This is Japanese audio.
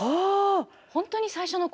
本当に最初のころ。